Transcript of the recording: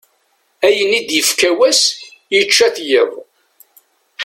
Ayen i d-ifka wass yečča-t yiḍ.